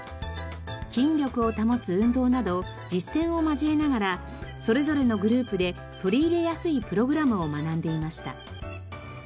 筋力を保つ運動など実践を交えながらそれぞれのグループで取り入れやすいプログラムを学んでいました。